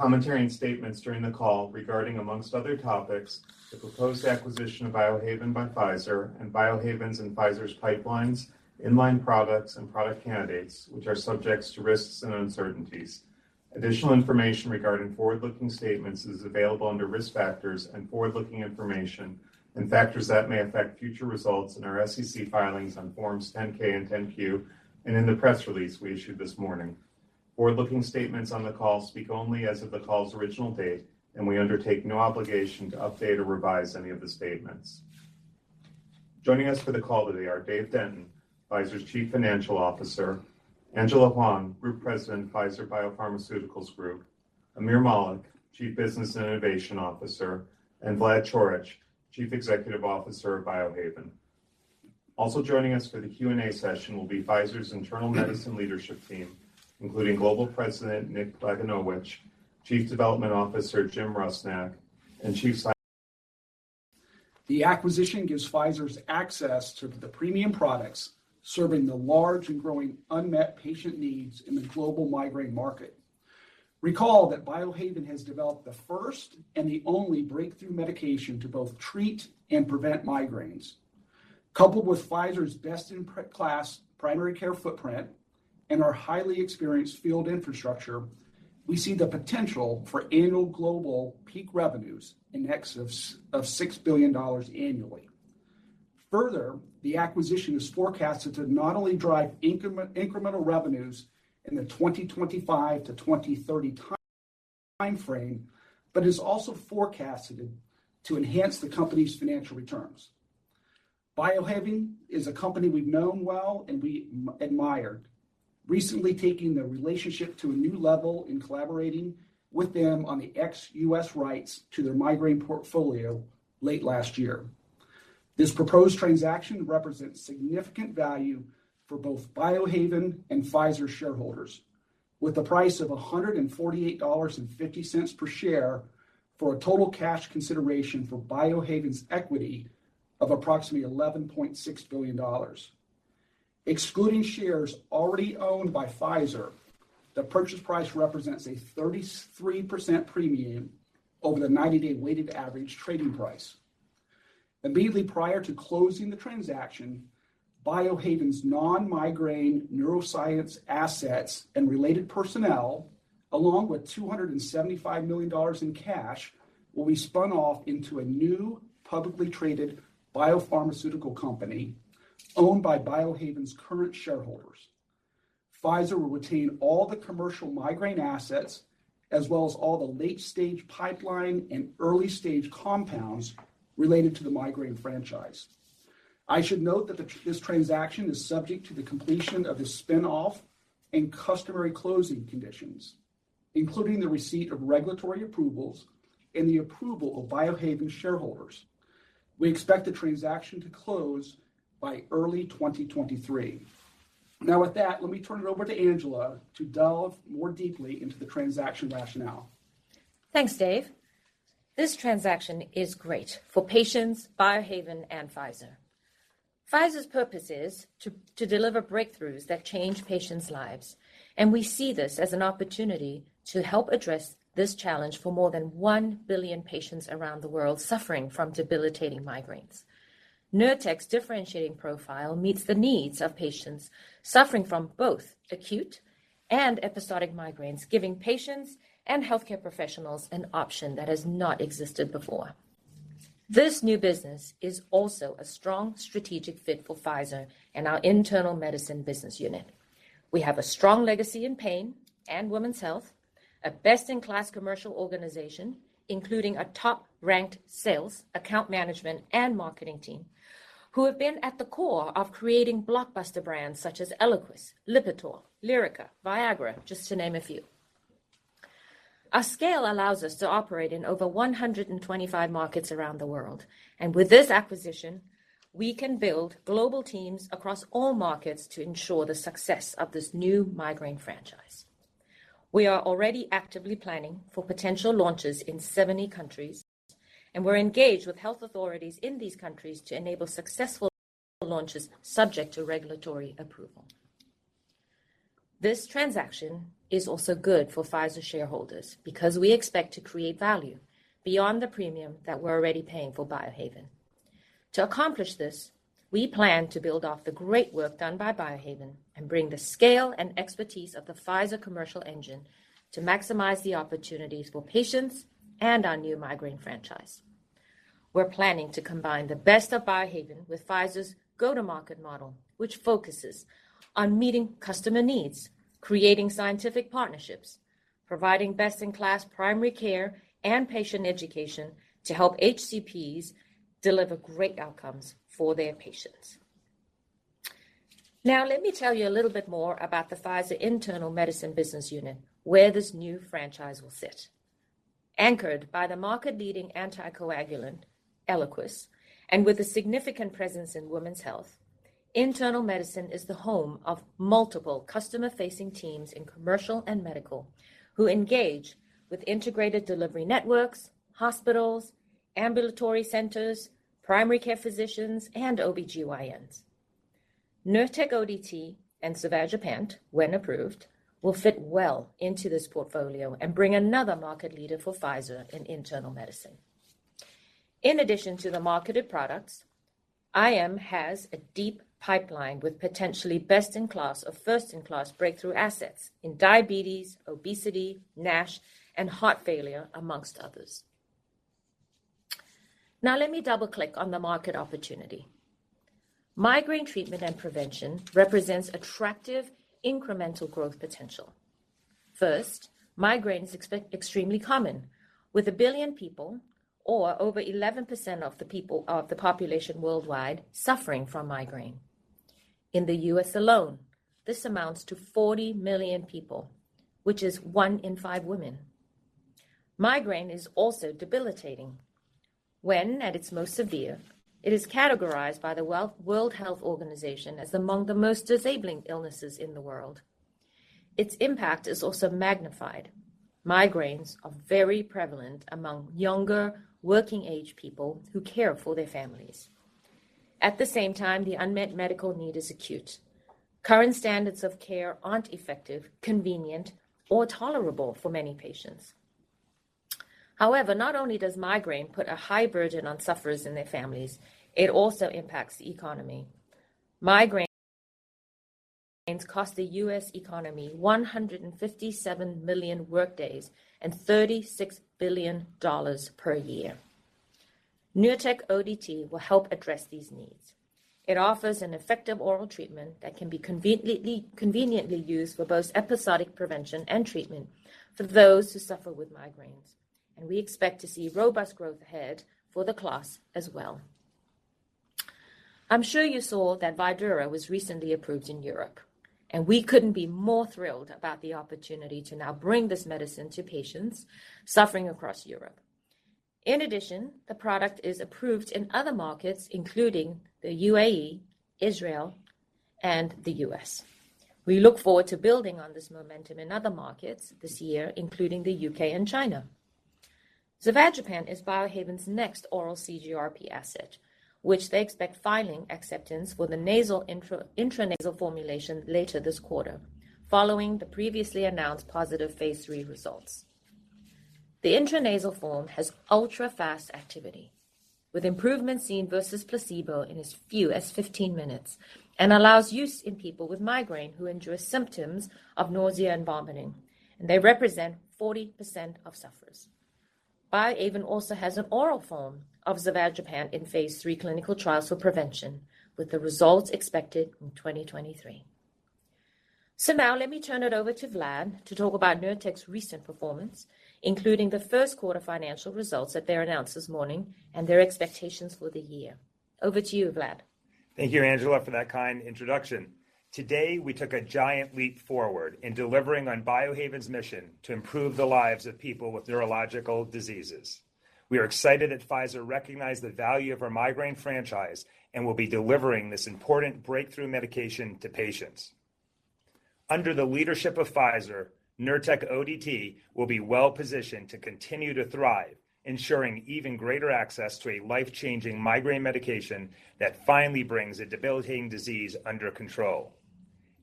Commentary and statements during the call regarding among other topics, the proposed acquisition of Biohaven by Pfizer and Biohaven's and Pfizer's pipelines, in-line products and product candidates, which are subject to risks and uncertainties. Additional information regarding forward-looking statements is available under Risk Factors and Forward-Looking Information, and factors that may affect future results in our SEC filings on forms 10-K and 10-Q, and in the press release we issued this morning. Forward-looking statements on the call speak only as of the call's original date, and we undertake no obligation to update or revise any of the statements. Joining us for the call today are Dave Denton, Pfizer's Chief Financial Officer, Angela Hwang, Group President, Pfizer Biopharmaceuticals Group, Aamir Malik, Chief Business and Innovation Officer, and Vlad Coric, Chief Executive Officer of Biohaven. Also joining us for the Q&A session will be Pfizer's Internal Medicine Leadership Team, including Global President Nick Lagunowich, Chief Development Officer Jim Rusnak, and Chief Sci- The acquisition gives Pfizer's access to the premium products serving the large and growing unmet patient needs in the global migraine market. Recall that Biohaven has developed the first and the only breakthrough medication to both treat and prevent migraines. Coupled with Pfizer's best-in-class primary care footprint and our highly experienced field infrastructure, we see the potential for annual global peak revenues in excess of $6 billion annually. Further, the acquisition is forecasted to not only drive incremental revenues in the 2025 to 2030 timeframe, but is also forecasted to enhance the company's financial returns. Biohaven is a company we've known well and we admired, recently taking the relationship to a new level in collaborating with them on the ex-US rights to their migraine portfolio late last year. This proposed transaction represents significant value for both Biohaven and Pfizer shareholders. With the price of $148.50 per share for a total cash consideration for Biohaven's equity of approximately $11.6 billion. Excluding shares already owned by Pfizer, the purchase price represents a 33% premium over the 90-day weighted average trading price. Immediately prior to closing the transaction, Biohaven's non-migraine neuroscience assets and related personnel, along with $275 million in cash, will be spun off into a new publicly traded biopharmaceutical company owned by Biohaven's current shareholders. Pfizer will retain all the commercial migraine assets as well as all the late-stage pipeline and early-stage compounds related to the migraine franchise. I should note that this transaction is subject to the completion of the spin-off and customary closing conditions, including the receipt of regulatory approvals and the approval of Biohaven shareholders. We expect the transaction to close by early 2023. Now with that, let me turn it over to Angela to delve more deeply into the transaction rationale. Thanks, Dave. This transaction is great for patients, Biohaven, and Pfizer. Pfizer's purpose is to deliver breakthroughs that change patients' lives, and we see this as an opportunity to help address this challenge for more than 1 billion patients around the world suffering from debilitating migraines. Nurtec's differentiating profile meets the needs of patients suffering from both acute and episodic migraines, giving patients and healthcare professionals an option that has not existed before. This new business is also a strong strategic fit for Pfizer and our internal medicine business unit. We have a strong legacy in pain and women's health, a best-in-class commercial organization, including a top-ranked sales, account management, and marketing team who have been at the core of creating blockbuster brands such as Eliquis, Lipitor, Lyrica, Viagra, just to name a few. Our scale allows us to operate in over 125 markets around the world. With this acquisition, we can build global teams across all markets to ensure the success of this new migraine franchise. We are already actively planning for potential launches in 70 countries, and we're engaged with health authorities in these countries to enable successful launches subject to regulatory approval. This transaction is also good for Pfizer shareholders because we expect to create value beyond the premium that we're already paying for Biohaven. To accomplish this, we plan to build off the great work done by Biohaven and bring the scale and expertise of the Pfizer commercial engine to maximize the opportunities for patients and our new migraine franchise. We're planning to combine the best of Biohaven with Pfizer's go-to-market model, which focuses on meeting customer needs, creating scientific partnerships, providing best-in-class primary care and patient education to help HCPs deliver great outcomes for their patients. Now, let me tell you a little bit more about the Pfizer Internal Medicine business unit, where this new franchise will sit. Anchored by the market-leading anticoagulant, Eliquis, and with a significant presence in women's health, Internal Medicine is the home of multiple customer-facing teams in commercial and medical who engage with integrated delivery networks, hospitals, ambulatory centers, primary care physicians, and OBGYNs. Nurtec ODT and zavegepant, when approved, will fit well into this portfolio and bring another market leader for Pfizer in Internal Medicine. In addition to the marketed products, IM has a deep pipeline with potentially best-in-class or first-in-class breakthrough assets in diabetes, obesity, NASH, and heart failure, among others. Now let me double-click on the market opportunity. Migraine treatment and prevention represents attractive incremental growth potential. First, migraine is extremely common, with 1 billion people, or over 11% of the population worldwide suffering from migraine. In the U.S. alone, this amounts to 40 million people, which is one in five women. Migraine is also debilitating. When at its most severe, it is categorized by the World Health Organization as among the most disabling illnesses in the world. Its impact is also magnified. Migraines are very prevalent among younger, working-age people who care for their families. At the same time, the unmet medical need is acute. Current standards of care aren't effective, convenient, or tolerable for many patients. However, not only does migraine put a high burden on sufferers and their families, it also impacts the economy. Migraines cost the U.S. economy 157 million workdays and $36 billion per year. Nurtec ODT will help address these needs. It offers an effective oral treatment that can be conveniently used for both episodic prevention and treatment for those who suffer with migraines, and we expect to see robust growth ahead for the class as well. I'm sure you saw that Vydura was recently approved in Europe, and we couldn't be more thrilled about the opportunity to now bring this medicine to patients suffering across Europe. In addition, the product is approved in other markets, including the UAE, Israel, and the U.S. We look forward to building on this momentum in other markets this year, including the U.K. and China. Zavegepant is Biohaven's next oral CGRP asset, which they expect filing acceptance for the intranasal formulation later this quarter, following the previously announced positive phase 3 results. The intranasal form has ultra-fast activity, with improvements seen versus placebo in as few as 15 minutes and allows use in people with migraine who endure symptoms of nausea and vomiting, and they represent 40% of sufferers. Biohaven also has an oral form of zavegepant in phase 3 clinical trials for prevention, with the results expected in 2023. Now let me turn it over to Vlad to talk about Nurtec's recent performance, including the first quarter financial results that they announced this morning and their expectations for the year. Over to you, Vlad. Thank you, Angela, for that kind introduction. Today, we took a giant leap forward in delivering on Biohaven's mission to improve the lives of people with neurological diseases. We are excited that Pfizer recognized the value of our migraine franchise and will be delivering this important breakthrough medication to patients. Under the leadership of Pfizer, Nurtec ODT will be well-positioned to continue to thrive, ensuring even greater access to a life-changing migraine medication that finally brings a debilitating disease under control.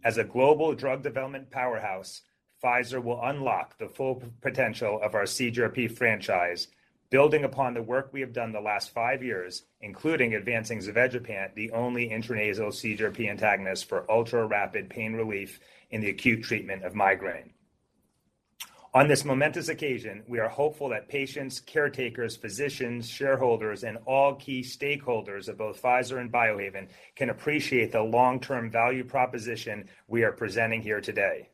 As a global drug development powerhouse, Pfizer will unlock the full potential of our CGRP franchise, building upon the work we have done the last five years, including advancing Zavegepant, the only intranasal CGRP antagonist for ultra-rapid pain relief in the acute treatment of migraine. On this momentous occasion, we are hopeful that patients, caretakers, physicians, shareholders, and all key stakeholders of both Pfizer and Biohaven can appreciate the long-term value proposition we are presenting here today.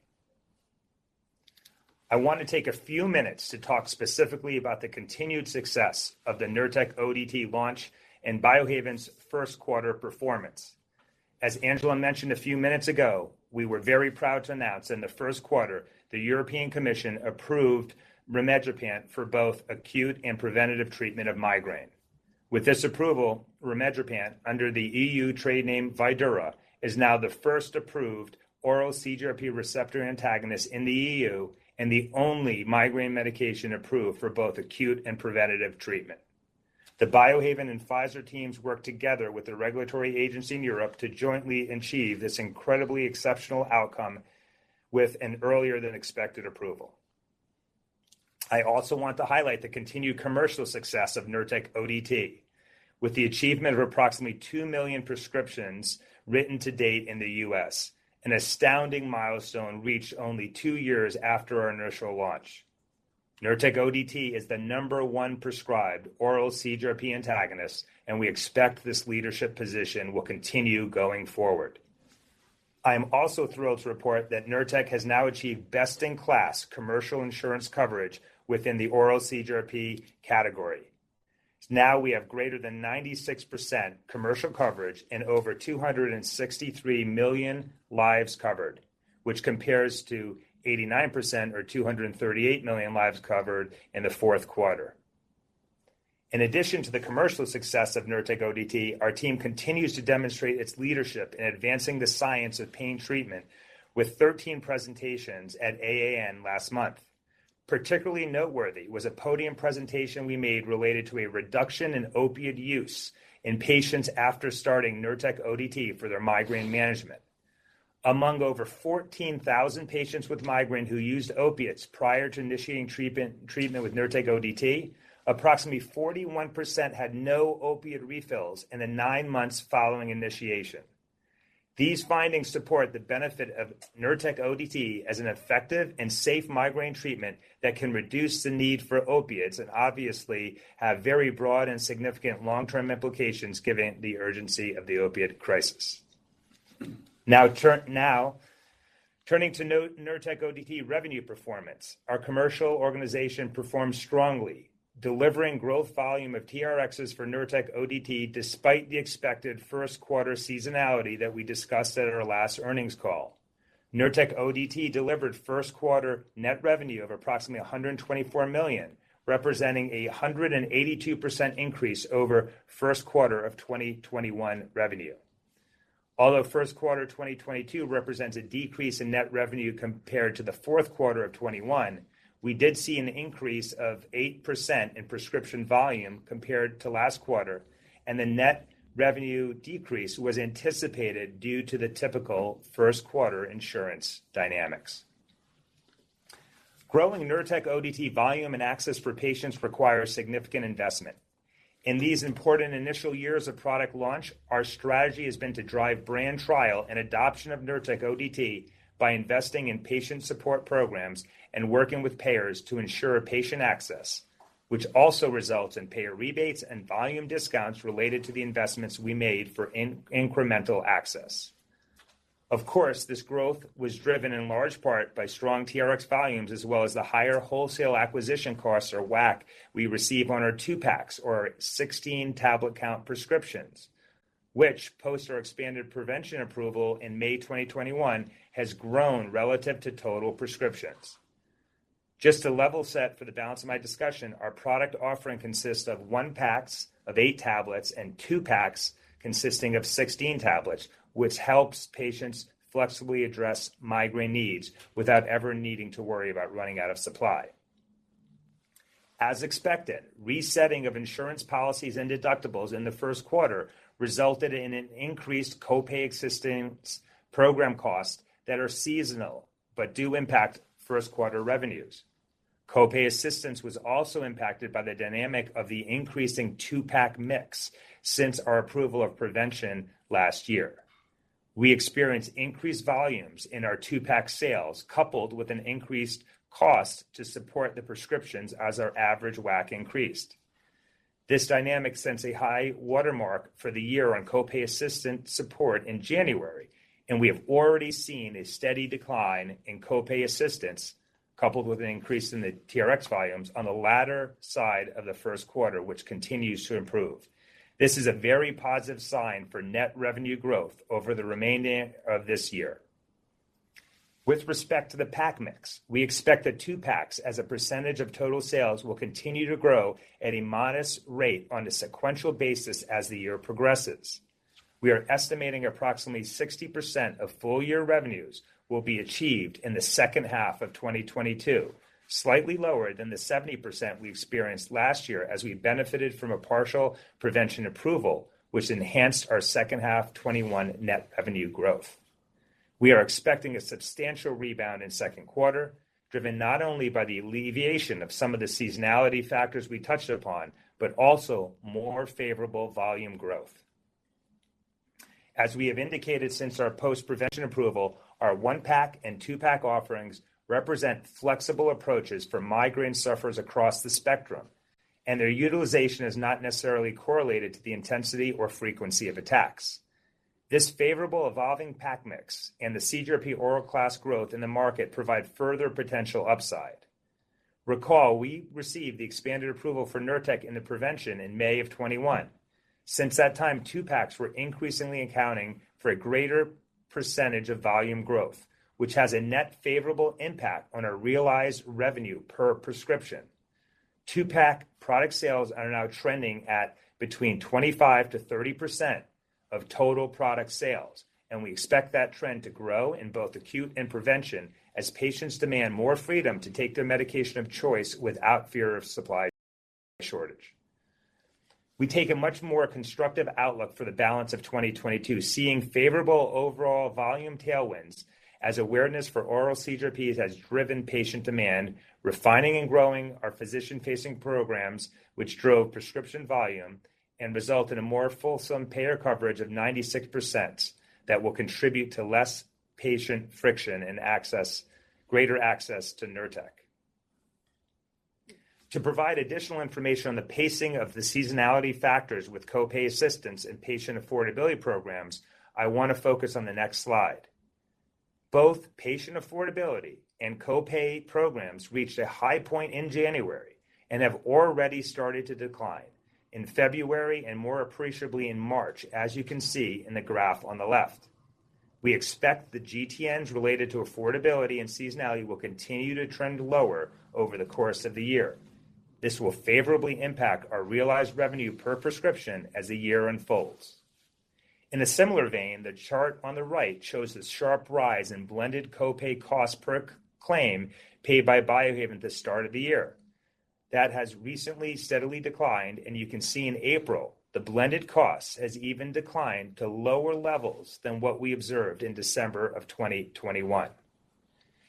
I want to take a few minutes to talk specifically about the continued success of the Nurtec ODT launch and Biohaven's first quarter performance. As Angela mentioned a few minutes ago, we were very proud to announce in the first quarter the European Commission approved rimegepant for both acute and preventative treatment of migraine. With this approval, rimegepant, under the EU trade name Vydura, is now the first approved oral CGRP receptor antagonist in the EU and the only migraine medication approved for both acute and preventative treatment. The Biohaven and Pfizer teams worked together with the regulatory agency in Europe to jointly achieve this incredibly exceptional outcome with an earlier-than-expected approval. I also want to highlight the continued commercial success of Nurtec ODT with the achievement of approximately 2 million prescriptions written to date in the U.S., an astounding milestone reached only 2 years after our initial launch. Nurtec ODT is the number one prescribed oral CGRP antagonist, and we expect this leadership position will continue going forward. I am also thrilled to report that Nurtec has now achieved best-in-class commercial insurance coverage within the oral CGRP category. Now we have greater than 96% commercial coverage and over 263 million lives covered, which compares to 89% or 238 million lives covered in the fourth quarter. In addition to the commercial success of Nurtec ODT, our team continues to demonstrate its leadership in advancing the science of pain treatment with 13 presentations at AAN last month. Particularly noteworthy was a podium presentation we made related to a reduction in opiate use in patients after starting Nurtec ODT for their migraine management. Among over 14,000 patients with migraine who used opiates prior to initiating treatment with Nurtec ODT, approximately 41% had no opiate refills in the nine months following initiation. These findings support the benefit of Nurtec ODT as an effective and safe migraine treatment that can reduce the need for opiates, and obviously have very broad and significant long-term implications given the urgency of the opiate crisis. Now turning to Nurtec ODT revenue performance. Our commercial organization performed strongly, delivering growth volume of TRXs for Nurtec ODT despite the expected first quarter seasonality that we discussed at our last earnings call. Nurtec ODT delivered first quarter net revenue of approximately $124 million, representing a 182% increase over first quarter of 2021 revenue. Although first quarter 2022 represents a decrease in net revenue compared to the fourth quarter of 2021, we did see an increase of 8% in prescription volume compared to last quarter, and the net revenue decrease was anticipated due to the typical first quarter insurance dynamics. Growing Nurtec ODT volume and access for patients requires significant investment. In these important initial years of product launch, our strategy has been to drive brand trial and adoption of Nurtec ODT by investing in patient support programs and working with payers to ensure patient access, which also results in payer rebates and volume discounts related to the investments we made for incremental access. Of course, this growth was driven in large part by strong TRX volumes as well as the higher wholesale acquisition costs or WAC we receive on our two-packs or 16-tablet count prescriptions, which post our expanded prevention approval in May 2021 has grown relative to total prescriptions. Just to level set for the balance of my discussion, our product offering consists of one-packs of eight tablets and two-packs consisting of 16 tablets, which helps patients flexibly address migraine needs without ever needing to worry about running out of supply. As expected, resetting of insurance policies and deductibles in the first quarter resulted in an increased copay assistance program costs that are seasonal but do impact first-quarter revenues. Copay assistance was also impacted by the dynamic of the increasing two-pack mix since our approval of prevention last year. We experienced increased volumes in our two-pack sales coupled with an increased cost to support the prescriptions as our average WAC increased. This dynamic sets a high watermark for the year on copay assistance support in January, and we have already seen a steady decline in copay assistance coupled with an increase in the TRX volumes on the latter side of the first quarter, which continues to improve. This is a very positive sign for net revenue growth over the remainder of this year. With respect to the pack mix, we expect the two packs as a percentage of total sales will continue to grow at a modest rate on a sequential basis as the year progresses. We are estimating approximately 60% of full-year revenues will be achieved in the second half of 2022, slightly lower than the 70% we experienced last year as we benefited from a partial prevention approval, which enhanced our second-half 2021 net revenue growth. We are expecting a substantial rebound in second quarter, driven not only by the alleviation of some of the seasonality factors we touched upon, but also more favorable volume growth. As we have indicated since our post-prevention approval, our one-pack and two-pack offerings represent flexible approaches for migraine sufferers across the spectrum, and their utilization is not necessarily correlated to the intensity or frequency of attacks. This favorable evolving pack mix and the CGRP oral class growth in the market provide further potential upside. Recall we received the expanded approval for Nurtec in the prevention in May 2021. Since that time, two-packs were increasingly accounting for a greater percentage of volume growth, which has a net favorable impact on our realized revenue per prescription. two-pack product sales are now trending at between 25%-30% of total product sales, and we expect that trend to grow in both acute and prevention as patients demand more freedom to take their medication of choice without fear of supply shortage. We take a much more constructive outlook for the balance of 2022, seeing favorable overall volume tailwinds as awareness for oral CGRPs has driven patient demand, refining and growing our physician-facing programs, which drove prescription volume and result in a more fulsome payer coverage of 96% that will contribute to less patient friction and access, greater access to Nurtec. To provide additional information on the pacing of the seasonality factors with copay assistance and patient affordability programs, I want to focus on the next slide. Both patient affordability and copay programs reached a high point in January and have already started to decline in February and more appreciably in March, as you can see in the graph on the left. We expect the GTNs related to affordability and seasonality will continue to trend lower over the course of the year. This will favorably impact our realized revenue per prescription as the year unfolds. In a similar vein, the chart on the right shows the sharp rise in blended copay cost per c-claim paid by Biohaven at the start of the year. That has recently steadily declined, and you can see in April the blended cost has even declined to lower levels than what we observed in December of 2021.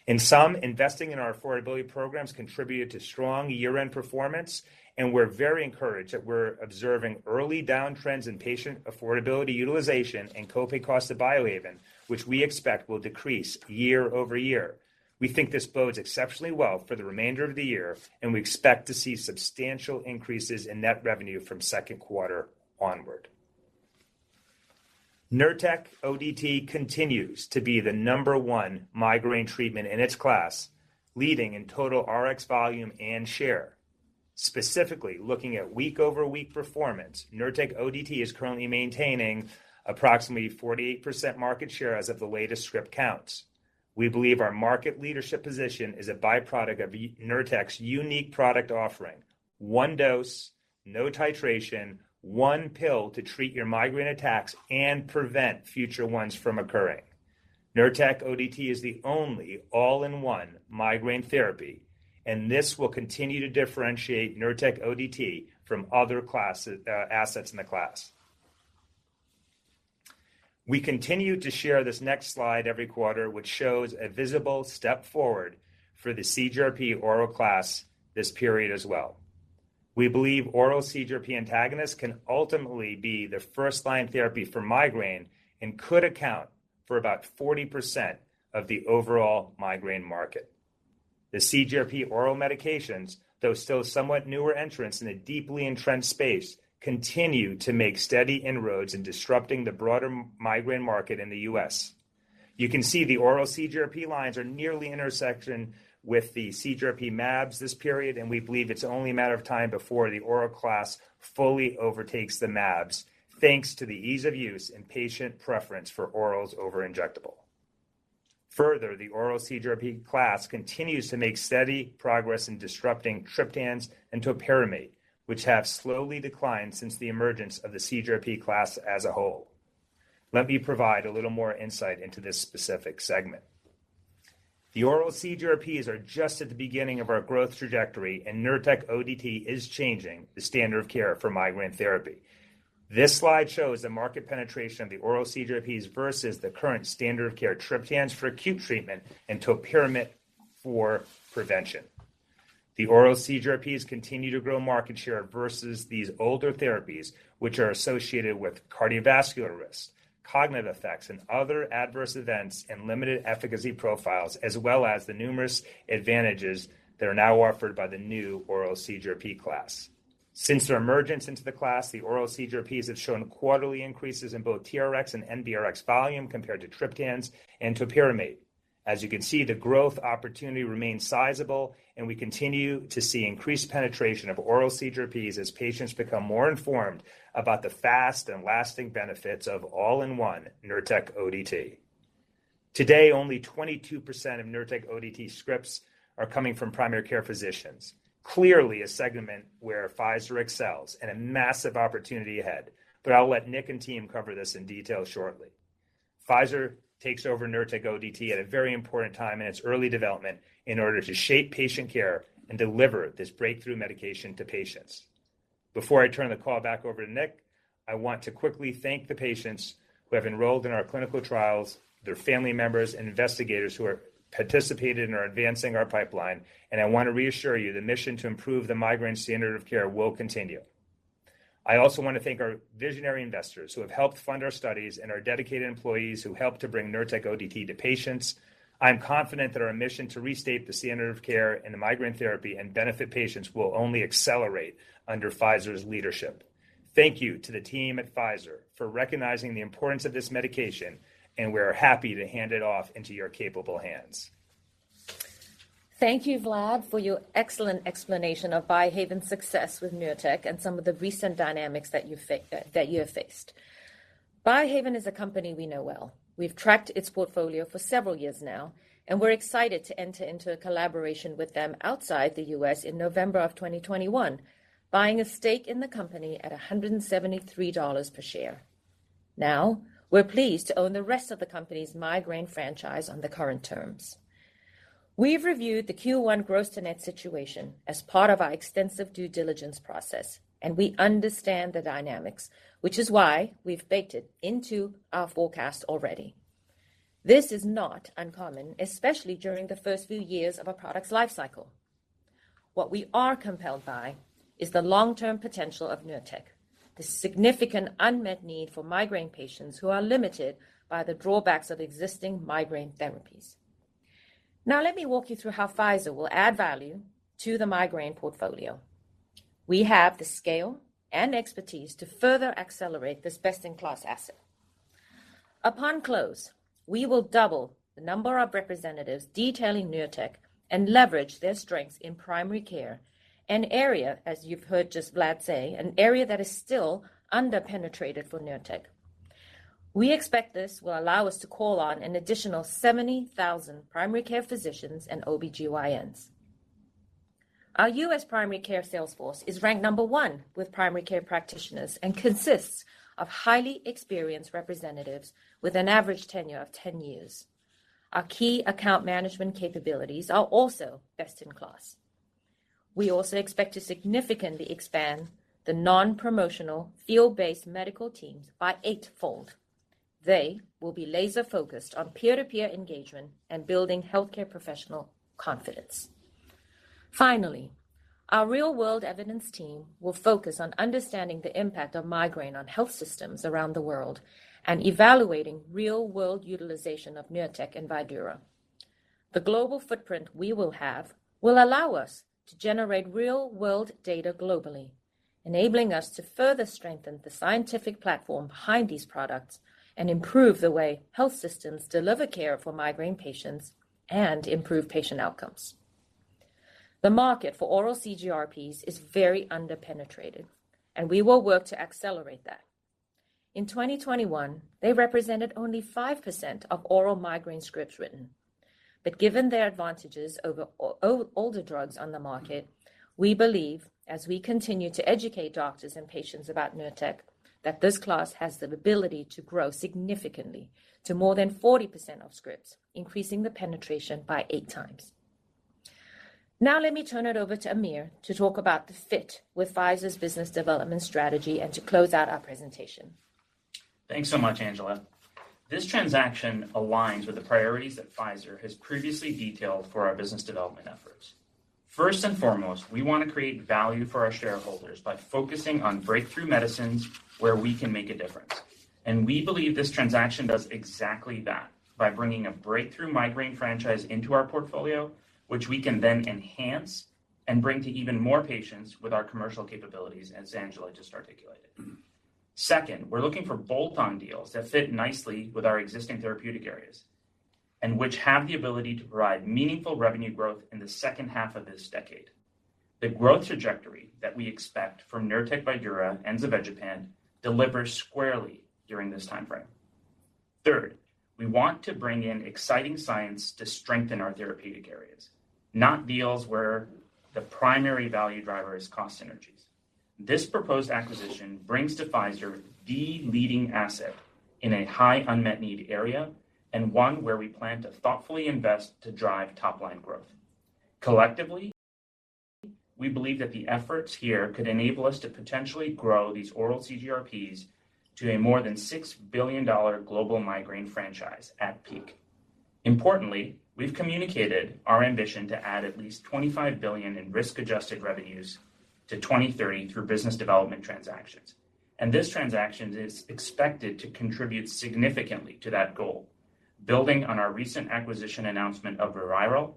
In sum, investing in our affordability programs contributed to strong year-end performance, and we're very encouraged that we're observing early down trends in patient affordability utilization and copay cost to Biohaven, which we expect will decrease year-over-year. We think this bodes exceptionally well for the remainder of the year, and we expect to see substantial increases in net revenue from second quarter onward. Nurtec ODT continues to be the number one migraine treatment in its class, leading in total Rx volume and share. Specifically, looking at week-over-week performance, Nurtec ODT is currently maintaining approximately 48% market share as of the latest script counts. We believe our market leadership position is a byproduct of Nurtec's unique product offering. One dose, no titration, one pill to treat your migraine attacks and prevent future ones from occurring. Nurtec ODT is the only all-in-one migraine therapy, and this will continue to differentiate Nurtec ODT from other classes, assets in the class. We continue to share this next slide every quarter, which shows a visible step forward for the CGRP oral class this period as well. We believe oral CGRP antagonists can ultimately be the first-line therapy for migraine and could account for about 40% of the overall migraine market. The CGRP oral medications, though still somewhat newer entrants in a deeply entrenched space, continue to make steady inroads in disrupting the broader migraine market in the U.S. You can see the oral CGRP lines are nearly intersecting with the CGRP mAbs this period, and we believe it's only a matter of time before the oral class fully overtakes the mAbs, thanks to the ease of use and patient preference for orals over injectables. Further, the oral CGRP class continues to make steady progress in disrupting triptans and topiramate, which have slowly declined since the emergence of the CGRP class as a whole. Let me provide a little more insight into this specific segment. The oral CGRPs are just at the beginning of our growth trajectory, and Nurtec ODT is changing the standard of care for migraine therapy. This slide shows the market penetration of the oral CGRPs versus the current standard of care triptans for acute treatment and topiramate for prevention. The oral CGRPs continue to grow market share versus these older therapies, which are associated with cardiovascular risk, cognitive effects, and other adverse events and limited efficacy profiles, as well as the numerous advantages that are now offered by the new oral CGRP class. Since their emergence into the class, the oral CGRPs have shown quarterly increases in both TRX and NBRX volume compared to triptans and topiramate. As you can see, the growth opportunity remains sizable, and we continue to see increased penetration of oral CGRPs as patients become more informed about the fast and lasting benefits of all-in-one Nurtec ODT. Today, only 22% of Nurtec ODT scripts are coming from primary care physicians. Clearly a segment where Pfizer excels and a massive opportunity ahead. I'll let Nick and team cover this in detail shortly. Pfizer takes over Nurtec ODT at a very important time in its early development in order to shape patient care and deliver this breakthrough medication to patients. Before I turn the call back over to Nick, I want to quickly thank the patients who have enrolled in our clinical trials, their family members and investigators who have participated and are advancing our pipeline. I want to reassure you the mission to improve the migraine standard of care will continue. I also want to thank our visionary investors who have helped fund our studies and our dedicated employees who helped to bring Nurtec ODT to patients. I'm confident that our mission to restate the standard of care in the migraine therapy and benefit patients will only accelerate under Pfizer's leadership. Thank you to the team at Pfizer for recognizing the importance of this medication, and we're happy to hand it off into your capable hands. Thank you, Vlad, for your excellent explanation of Biohaven's success with Nurtec and some of the recent dynamics that you have faced. Biohaven is a company we know well. We've tracked its portfolio for several years now, and we're excited to enter into a collaboration with them outside the U.S. in November 2021, buying a stake in the company at $173 per share. Now, we're pleased to own the rest of the company's migraine franchise on the current terms. We've reviewed the Q1 gross-to-net situation as part of our extensive due diligence process, and we understand the dynamics, which is why we've baked it into our forecast already. This is not uncommon, especially during the first few years of a product's life cycle. What we are compelled by is the long-term potential of Nurtec, the significant unmet need for migraine patients who are limited by the drawbacks of existing migraine therapies. Now, let me walk you through how Pfizer will add value to the migraine portfolio. We have the scale and expertise to further accelerate this best-in-class asset. Upon close, we will double the number of representatives detailing Nurtec and leverage their strengths in primary care, an area, as you've heard just Vlad say, an area that is still under-penetrated for Nurtec. We expect this will allow us to call on an additional 70,000 primary care physicians and OBGYNs. Our US primary care sales force is ranked number one with primary care practitioners and consists of highly experienced representatives with an average tenure of 10 years. Our key account management capabilities are also best in class. We also expect to significantly expand the non-promotional field-based medical teams by eightfold. They will be laser-focused on peer-to-peer engagement and building healthcare professional confidence. Finally, our real-world evidence team will focus on understanding the impact of migraine on health systems around the world and evaluating real-world utilization of Nurtec and Vydura. The global footprint we will have will allow us to generate real-world data globally, enabling us to further strengthen the scientific platform behind these products and improve the way health systems deliver care for migraine patients and improve patient outcomes. The market for oral CGRPs is very under-penetrated, and we will work to accelerate that. In 2021, they represented only 5% of oral migraine scripts written. Given their advantages over older drugs on the market, we believe, as we continue to educate doctors and patients about Nurtec, that this class has the ability to grow significantly to more than 40% of scripts, increasing the penetration by eight times. Now let me turn it over to Amir to talk about the fit with Pfizer's business development strategy and to close out our presentation. Thanks so much, Angela. This transaction aligns with the priorities that Pfizer has previously detailed for our business development efforts. First and foremost, we wanna create value for our shareholders by focusing on breakthrough medicines where we can make a difference. We believe this transaction does exactly that by bringing a breakthrough migraine franchise into our portfolio, which we can then enhance and bring to even more patients with our commercial capabilities, as Angela just articulated. Second, we're looking for bolt-on deals that fit nicely with our existing therapeutic areas and which have the ability to provide meaningful revenue growth in the second half of this decade. The growth trajectory that we expect from Nurtec, Vydura, and Zavegepant delivers squarely during this timeframe. Third, we want to bring in exciting science to strengthen our therapeutic areas, not deals where the primary value driver is cost synergies. This proposed acquisition brings to Pfizer the leading asset in a high unmet need area, and one where we plan to thoughtfully invest to drive top line growth. Collectively, we believe that the efforts here could enable us to potentially grow these oral CGRPs to more than $6 billion global migraine franchise at peak. Importantly, we've communicated our ambition to add at least $25 billion in risk-adjusted revenues to 2023 through business development transactions. This transaction is expected to contribute significantly to that goal, building on our recent acquisition announcement of ReViral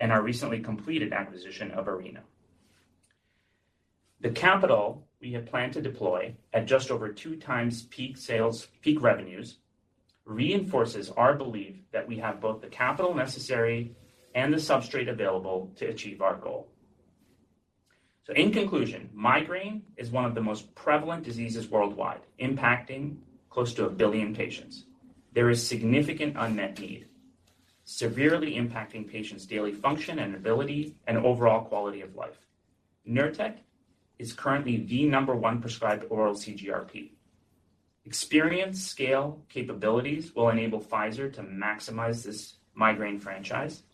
and our recently completed acquisition of Arena. The capital we have planned to deploy at just over 2x peak sales, peak revenues reinforces our belief that we have both the capital necessary and the substrate available to achieve our goal. In conclusion, migraine is one of the most prevalent diseases worldwide, impacting close to 1 billion patients. There is significant unmet need, severely impacting patients' daily function and ability and overall quality of life. Nurtec is currently the number one prescribed oral CGRP. Experience, scale, capabilities will enable Pfizer to maximize this migraine franchise.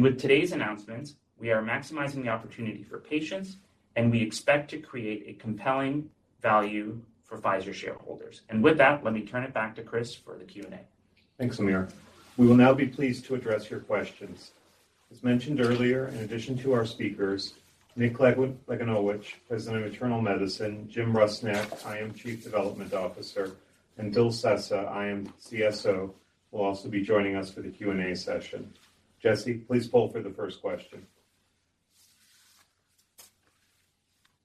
With today's announcements, we are maximizing the opportunity for patients, and we expect to create a compelling value for Pfizer shareholders. With that, let me turn it back to Chris for the Q&A. Thanks, Aamir. We will now be pleased to address your questions. As mentioned earlier, in addition to our speakers, Nick Lagunowich, President of Internal Medicine, Jim Rusnak, IM Chief Development Officer, and Bill Sessa, IM CSO, will also be joining us for the Q&A session. Jesse, please poll for the first question.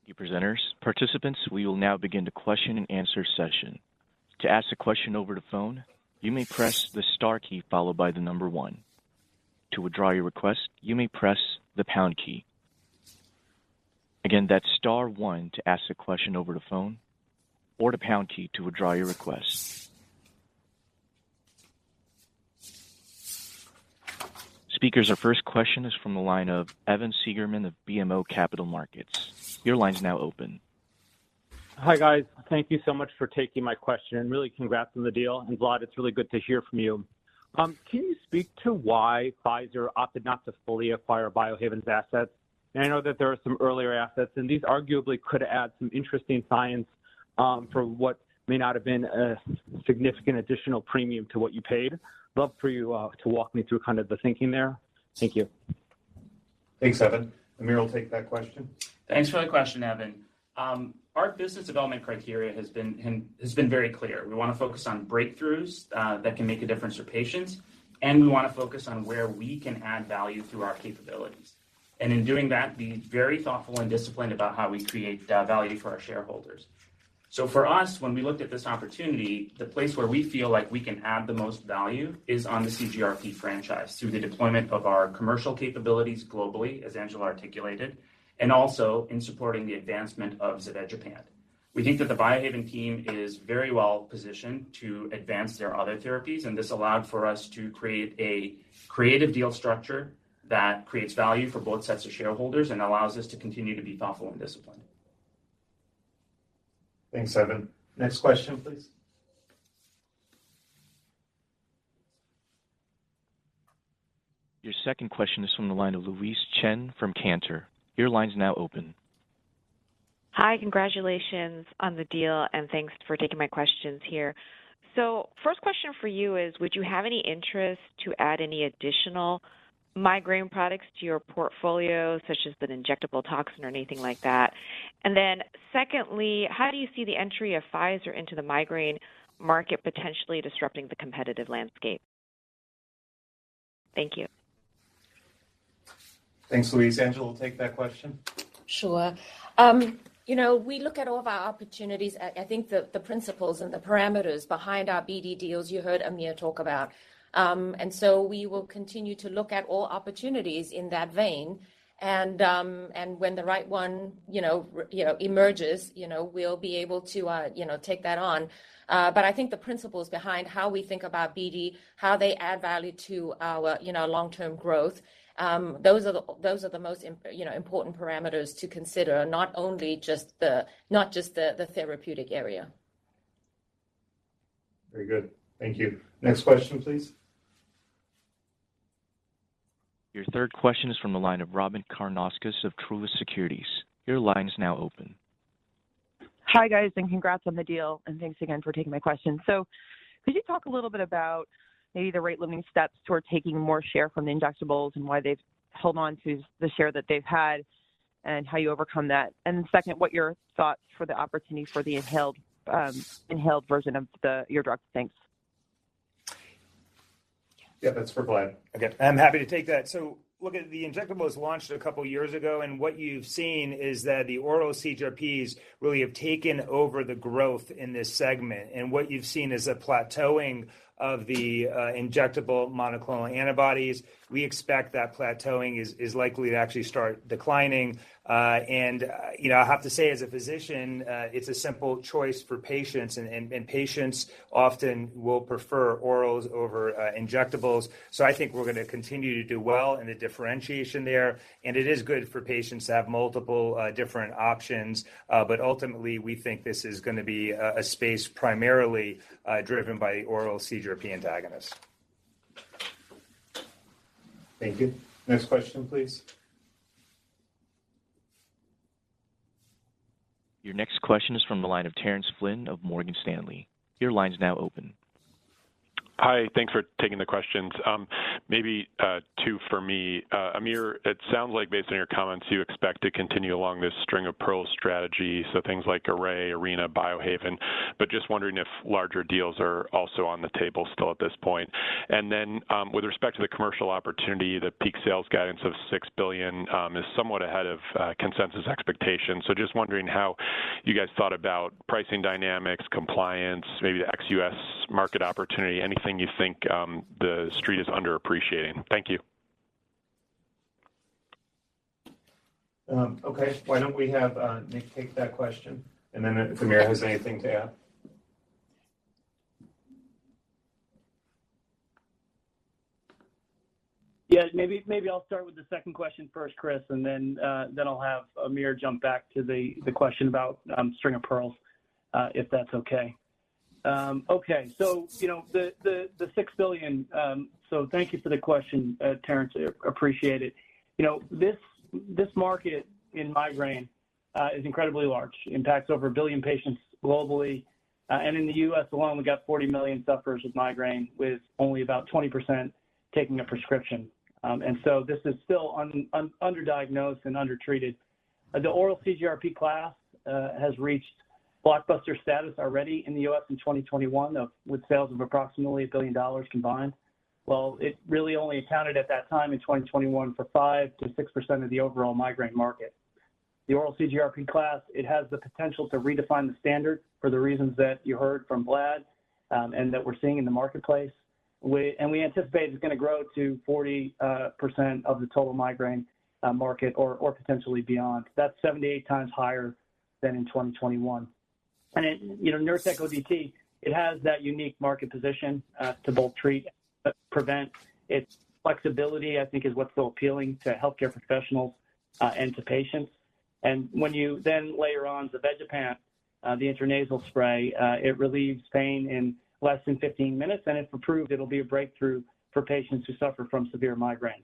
Thank you, presenters. Participants, we will now begin the question and answer session. To ask a question over the phone, you may press the star key followed by the number one. To withdraw your request, you may press the pound key. Again, that's star one to ask a question over the phone or the pound key to withdraw your request. Speakers, our first question is from the line of Evan Seigerman of BMO Capital Markets. Your line is now open. Hi, guys. Thank you so much for taking my question. Really congrats on the deal, and Vlad, it's really good to hear from you. Can you speak to why Pfizer opted not to fully acquire Biohaven's assets? I know that there are some earlier assets, and these arguably could add some interesting science, for what may not have been a significant additional premium to what you paid. Love for you to walk me through kind of the thinking there. Thank you. Thanks, Evan. Aamir will take that question. Thanks for that question, Evan. Our business development criteria has been very clear. We wanna focus on breakthroughs that can make a difference for patients, and we wanna focus on where we can add value through our capabilities. In doing that, be very thoughtful and disciplined about how we create value for our shareholders. For us, when we looked at this opportunity, the place where we feel like we can add the most value is on the CGRP franchise through the deployment of our commercial capabilities globally, as Angela articulated, and also in supporting the advancement of zavegepant. We think that the Biohaven team is very well positioned to advance their other therapies, and this allowed for us to create a creative deal structure that creates value for both sets of shareholders and allows us to continue to be thoughtful and disciplined. Thanks, Evan. Next question, please. Your second question is from the line of Louise Chen from Cantor. Your line is now open. Hi, congratulations on the deal, and thanks for taking my questions here. First question for you is, would you have any interest to add any additional migraine products to your portfolio, such as an injectable toxin or anything like that? Secondly, how do you see the entry of Pfizer into the migraine market potentially disrupting the competitive landscape? Thank you. Thanks, Louise. Angela, take that question. Sure. You know, we look at all of our opportunities. I think the principles and the parameters behind our BD deals you heard Aamir talk about. We will continue to look at all opportunities in that vein and when the right one you know emerges, you know, we'll be able to you know take that on. I think the principles behind how we think about BD, how they add value to our you know long-term growth, those are the most you know important parameters to consider, not only just the therapeutic area. Very good. Thank you. Next question, please. Your third question is from the line of Robyn Karnauskas of Truist Securities. Your line is now open. Hi, guys, and congrats on the deal, and thanks again for taking my question. Could you talk a little bit about maybe the rate-limiting steps toward taking more share from the injectables, and why they've held on to the share that they've had, and how you overcome that? Second, what your thoughts for the opportunity for the inhaled version of the intranasal zavegepant. Thanks. Yeah, that's for Vlad. Okay. I'm happy to take that. Look at the injectable was launched a couple years ago, and what you've seen is that the oral CGRPs really have taken over the growth in this segment. What you've seen is a plateauing of the injectable monoclonal antibodies. We expect that plateauing is likely to actually start declining. You know, I have to say as a physician, it's a simple choice for patients and patients often will prefer orals over injectables. I think we're gonna continue to do well in the differentiation there, and it is good for patients to have multiple different options. Ultimately, we think this is gonna be a space primarily driven by oral CGRP antagonists. Thank you. Next question, please. Your next question is from the line of Terence Flynn of Morgan Stanley. Your line is now open. Hi. Thanks for taking the questions. Maybe two for me. Aamir, it sounds like based on your comments, you expect to continue along this string-of-pearls strategy, so things like Array, Arena, Biohaven. Just wondering if larger deals are also on the table still at this point. Then, with respect to the commercial opportunity, the peak sales guidance of $6 billion is somewhat ahead of consensus expectations. Just wondering how you guys thought about pricing dynamics, compliance, maybe the ex-US market opportunity, anything you think the Street is underappreciating. Thank you. Okay. Why don't we have Nick take that question, and then if Amir has anything to add. Maybe I'll start with the second question first, Chris, and then I'll have Aamir jump back to the question about string of pearls, if that's okay. Okay. You know, the $6 billion, so thank you for the question, Terence. Appreciate it. You know, this market in migraine is incredibly large. Impacts over 1 billion patients globally, and in the U.S. alone, we've got 40 million sufferers of migraine, with only about 20% taking a prescription. This is still underdiagnosed and undertreated. The oral CGRP class has reached blockbuster status already in the U.S. in 2021 with sales of approximately $1 billion combined. Well, it really only accounted at that time in 2021 for 5%-6% of the overall migraine market. The oral CGRP class, it has the potential to redefine the standard for the reasons that you heard from Vlad, and that we're seeing in the marketplace. We anticipate it's gonna grow to 40% of the total migraine market or potentially beyond. That's 7-8 times higher than in 2021. It, you know, Nurtec ODT, it has that unique market position to both treat, prevent. Its flexibility, I think, is what's so appealing to healthcare professionals and to patients. When you then layer on the zavegepant, the intranasal spray, it relieves pain in less than 15 minutes, and if approved, it'll be a breakthrough for patients who suffer from severe migraines.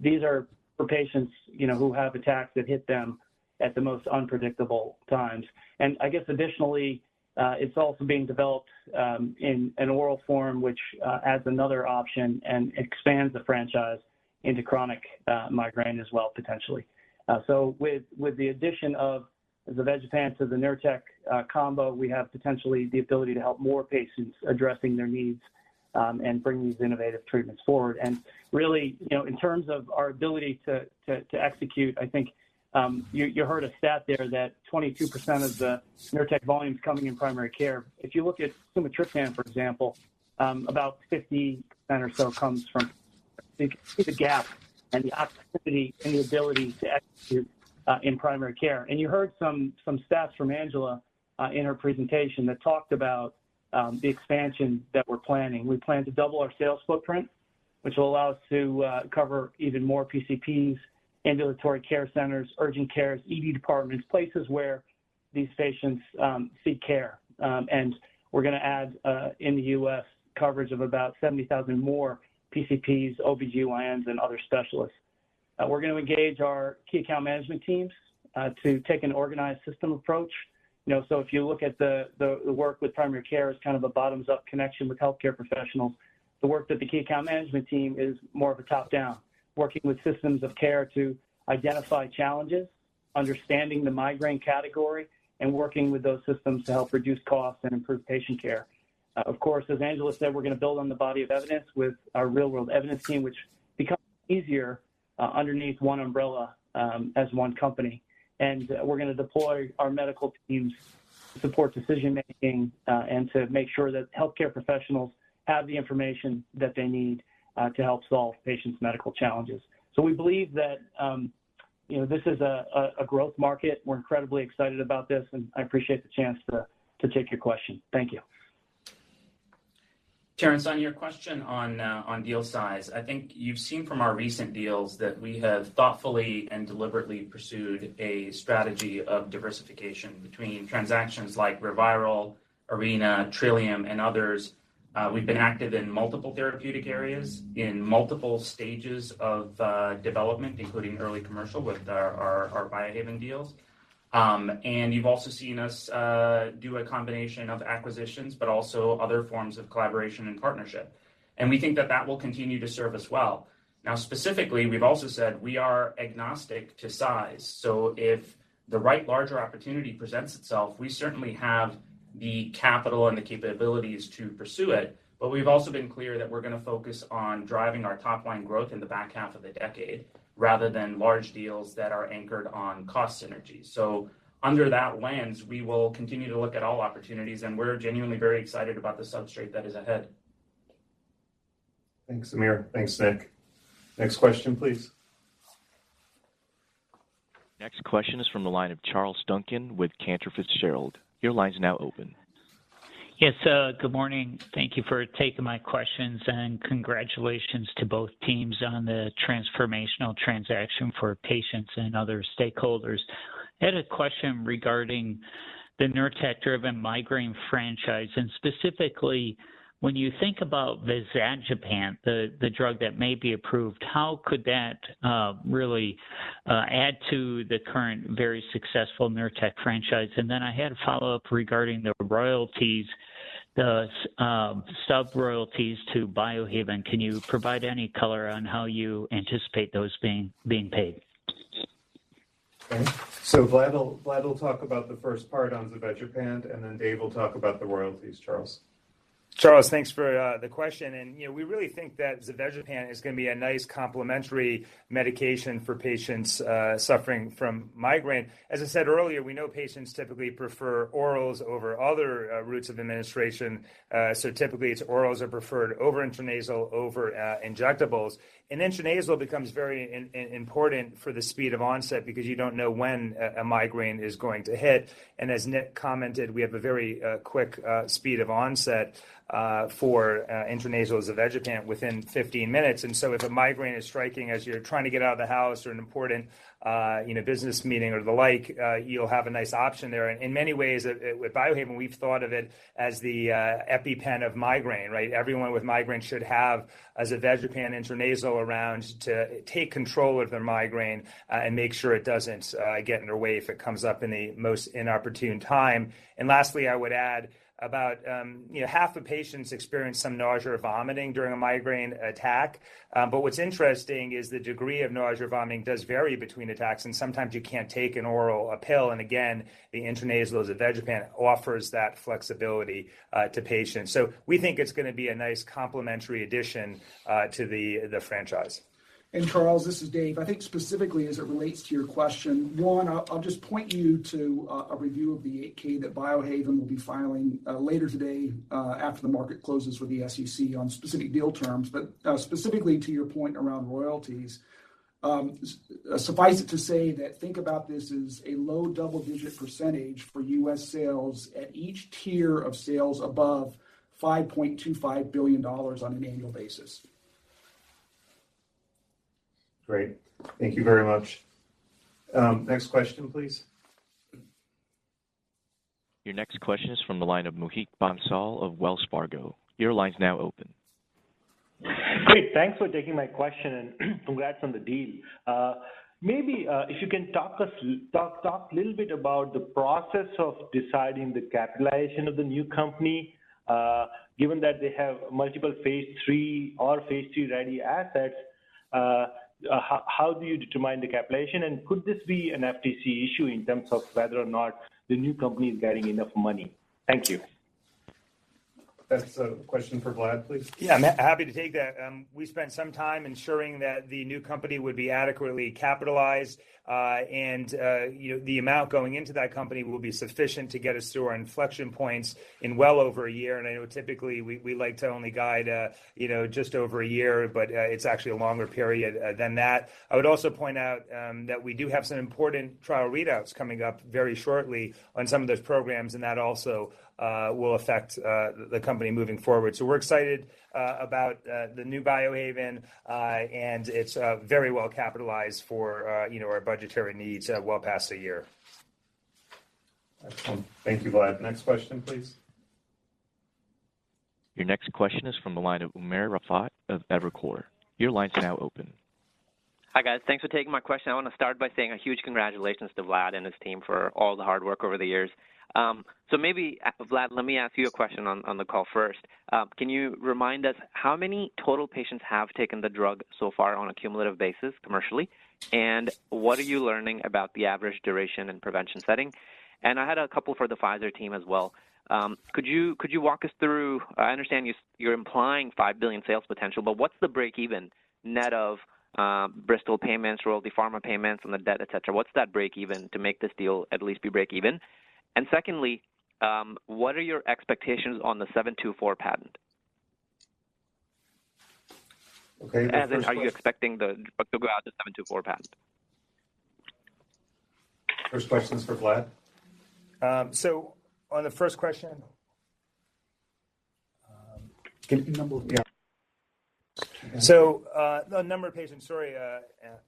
These are for patients, you know, who have attacks that hit them at the most unpredictable times. I guess additionally, it's also being developed in an oral form, which adds another option and expands the franchise into chronic migraine as well, potentially. With the addition of the zavegepant to the Nurtec combo, we have potentially the ability to help more patients addressing their needs and bring these innovative treatments forward. Really, you know, in terms of our ability to execute, I think you heard a stat there that 22% of the Nurtec volume's coming in primary care. If you look at sumatriptan, for example, about 50% or so comes from. You can see the gap and the opportunity and the ability to execute in primary care. You heard some stats from Angela in her presentation that talked about the expansion that we're planning. We plan to double our sales footprint, which will allow us to cover even more PCPs, ambulatory care centers, urgent cares, ED departments, places where these patients seek care. We're gonna add in the U.S. coverage of about 70,000 more PCPs, OBGYNs, and other specialists. We're gonna engage our key account management teams to take an organized system approach. You know, so if you look at the work with primary care as kind of a bottoms-up connection with healthcare professionals, the work that the key account management team is more of a top-down, working with systems of care to identify challenges, understanding the migraine category, and working with those systems to help reduce costs and improve patient care. Of course, as Angela said, we're gonna build on the body of evidence with our real-world evidence team, which becomes easier, underneath one umbrella, as one company. We're gonna deploy our medical teams to support decision-making, and to make sure that healthcare professionals have the information that they need, to help solve patients' medical challenges. We believe that, you know, this is a growth market. We're incredibly excited about this, and I appreciate the chance to take your question. Thank you. Terence, on your question on deal size, I think you've seen from our recent deals that we have thoughtfully and deliberately pursued a strategy of diversification between transactions like ReViral, Arena, Trillium, and others. We've been active in multiple therapeutic areas in multiple stages of development, including early commercial with our Biohaven deals. You've also seen us do a combination of acquisitions, but also other forms of collaboration and partnership. We think that that will continue to serve us well. Now, specifically, we've also said we are agnostic to size. If the right larger opportunity presents itself, we certainly have the capital and the capabilities to pursue it. We've also been clear that we're gonna focus on driving our top-line growth in the back half of the decade rather than large deals that are anchored on cost synergies. Under that lens, we will continue to look at all opportunities, and we're genuinely very excited about the substrate that is ahead. Thanks, Amir. Thanks, Nick. Next question, please. Next question is from the line of Charles Duncan with Cantor Fitzgerald. Your line is now open. Yes, good morning. Thank you for taking my questions, and congratulations to both teams on the transformational transaction for patients and other stakeholders. I had a question regarding the Nurtec-driven migraine franchise, and specifically, when you think about zavegepant, the drug that may be approved, how could that really add to the current very successful Nurtec franchise? I had a follow-up regarding the royalties, sub-royalties to Biohaven. Can you provide any color on how you anticipate those being paid? Vlad will talk about the first part on zavegepant, and then Dave will talk about the royalties, Charles. Charles, thanks for the question. You know, we really think that zavegepant is gonna be a nice complementary medication for patients suffering from migraine. As I said earlier, we know patients typically prefer orals over other routes of administration. Typically, it's orals are preferred over intranasal, over injectables. Intranasal becomes very important for the speed of onset because you don't know when a migraine is going to hit. As Nick commented, we have a very quick speed of onset for intranasal zavegepant within 15 minutes. If a migraine is striking as you're trying to get out of the house or an important you know, business meeting or the like, you'll have a nice option there. In many ways, with Biohaven, we've thought of it as the EpiPen of migraine, right? Everyone with migraine should have a zavegepant intranasal around to take control of their migraine, and make sure it doesn't get in their way if it comes up in a most inopportune time. Lastly, I would add about half the patients experience some nausea or vomiting during a migraine attack. What's interesting is the degree of nausea, vomiting does vary between attacks, and sometimes you can't take an oral pill. Again, the intranasal zavegepant offers that flexibility to patients. We think it's gonna be a nice complementary addition to the franchise. Charles, this is Dave. I think specifically as it relates to your question, one, I'll just point you to a review of the 8-K that Biohaven will be filing later today after the market closes with the SEC on specific deal terms. Specifically to your point around royalties, suffice it to say, think about this as a low double-digit % for U.S. sales at each tier of sales above $5.25 billion on an annual basis. Great. Thank you very much. Next question, please. Your next question is from the line of Mohit Bansal of Wells Fargo. Your line's now open. Great. Thanks for taking my question and congrats on the deal. Maybe, if you can talk a little bit about the process of deciding the capitalization of the new company. Given that they have multiple phase three or phase two-ready assets, how do you determine the capitalization? Could this be an FTC issue in terms of whether or not the new company is getting enough money? Thank you. That's a question for Vlad, please. Yeah, I'm happy to take that. We spent some time ensuring that the new company would be adequately capitalized, and, you know, the amount going into that company will be sufficient to get us through our inflection points in well over a year. I know typically we like to only guide, you know, just over a year, but it's actually a longer period than that. I would also point out that we do have some important trial readouts coming up very shortly on some of those programs, and that also will affect the company moving forward. We're excited about the new Biohaven, and it's very well capitalized for, you know, our budgetary needs well past a year. Thank you, Vlad. Next question, please. Your next question is from the line of Umer Raffat of Evercore. Your line's now open. Hi, guys. Thanks for taking my question. I wanna start by saying a huge congratulations to Vlad and his team for all the hard work over the years. Maybe Vlad, let me ask you a question on the call first. Can you remind us how many total patients have taken the drug so far on a cumulative basis commercially, and what are you learning about the average duration and prevention setting? I had a couple for the Pfizer team as well. Could you walk us through? I understand you're implying $5 billion sales potential, but what's the break even net of Bristol payments, Royalty Pharma payments, and the debt, et cetera. What's that break even to make this deal at least be break even? Secondly, what are your expectations on the 724 patent? Okay. As in, are you expecting to go out to '724 patent? First question's for Vlad. on the first question. Can you give the number of patients? The number of patients, sorry,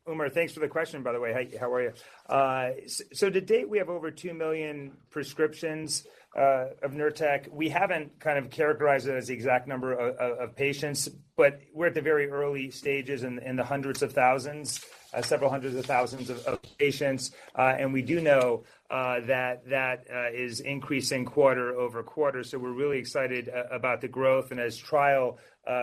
Umer, thanks for the question, by the way. How are you? To date, we have over 2 million prescriptions of Nurtec. We haven't kind of characterized it as the exact number of patients, but we're at the very early stages in the hundreds of thousands, several hundreds of thousands of patients. We do know that is increasing quarter-over-quarter. We're really excited about the growth. As trial